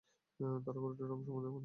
তারা গরুটির রং সম্বন্ধে প্রশ্ন করল।